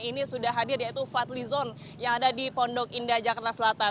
ini sudah hadir yaitu fadli zon yang ada di pondok indah jakarta selatan